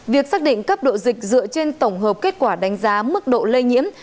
việc xác định cấp độ dịch dựa trên tổng hợp kết quả đánh giá mức độ lây nhiễm